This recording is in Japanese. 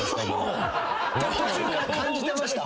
途中から感じてました？